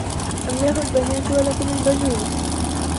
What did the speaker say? أَمْ لَهُ الْبَنَاتُ وَلَكُمُ الْبَنُونَ